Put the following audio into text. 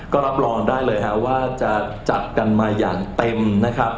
ก็รับรองได้เลยครับว่าจะจัดกันมาอย่างเต็มนะครับ